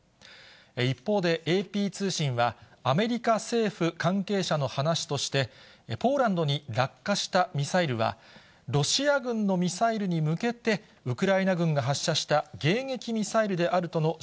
一方で、ＡＰ通信は、アメリカ政府関係者の話として、ポーランドに落下したミサイルは、ロシア軍のミサイルに向けて、ウクライナ軍の地対空ミサイルだと主張しています。